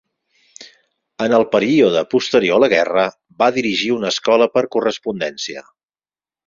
En el període posterior a la guerra, va dirigir una escola per correspondència.